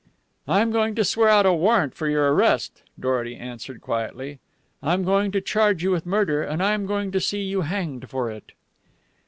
"I am going to swear out a warrant for your arrest," Dorety answered quietly. "I am going to charge you with murder, and I am going to see you hanged for it."